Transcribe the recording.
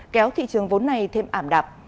kéo thị trường vốn này thêm ảm đạp